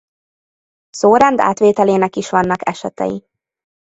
Szórend átvételének is vannak esetei.